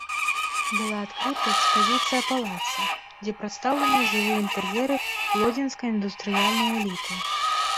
Была адкрыта экспазіцыя палаца, дзе прадстаўленыя жылыя інтэр'еры лодзінскай індустрыяльнай эліты.